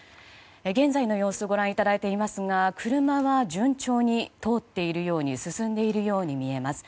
現在の様子ご覧いただいていますが車は順調に進んでいるように見えます。